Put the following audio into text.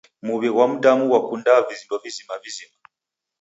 Muw'i ghwa mdamu ghwakunda vindo vizima vizima.